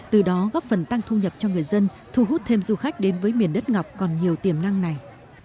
từ đó góp phần tăng thu nhập cho người dân thu hút thêm du khách đến với miền đất ngọc còn nhiều tiềm năng này